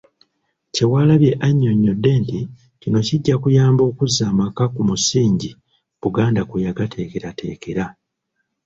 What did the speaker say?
Kyewalabye annyonnyodde nti, kino kijja kuyamba okuzza amaka ku musingi Buganda kwe yagateekerateekera.